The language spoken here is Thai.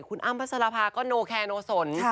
คุณอ้ำพระสารภาพก็โนแคร์โนสน